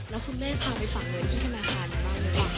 แล้วคุณแม่พาไปฝากเงินที่ธนาคารไหมบ้างเลยว่ะ